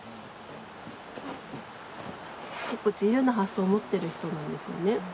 結構自由な発想を持ってる人なんですよね。